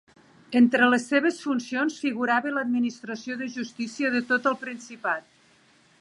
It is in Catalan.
Entre les seves funcions figurava l'administració de justícia de tot el principat.